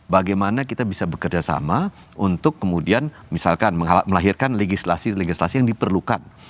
bagaimana kita bisa bekerja sama untuk kemudian misalkan melahirkan legislasi legislasi yang diperlukan